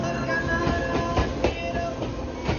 جانان مي مه رسوا کوه ماته راځینه